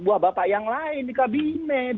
buah bapak yang lain di kabinet